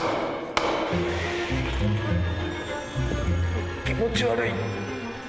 うっ気持ち悪い。